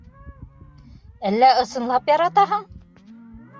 Әллә ысынлап яратаһың?